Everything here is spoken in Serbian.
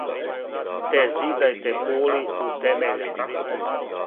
"Те зидајте кули у темеља."